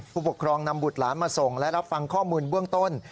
ผู้ปกครองนำบุตรหลานมาส่งและรับฟังข้อมูลเบื้องต้น